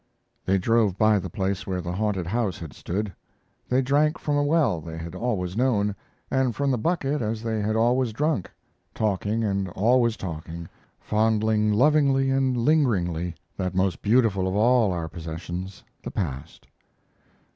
They drove by the place where the haunted house had stood. They drank from a well they had always known, and from the bucket as they had always drunk, talking and always talking, fondling lovingly and lingeringly that most beautiful of all our possessions, the past.